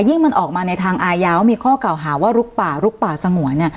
มันออกมาในทางอายาว่ามีข้อเก่าหาว่าลุกป่าลุกป่าสงวนเนี่ย